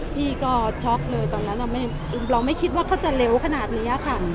พี่ก็ช็อกเลยตอนนั้นเราไม่คิดว่าเขาจะเร็วขนาดนี้ค่ะ